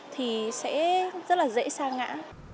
thì sẽ rất là dễ xa ngã